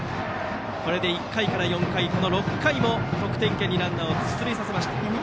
これで１回から４回、６回も得点圏にランナーを出塁させました。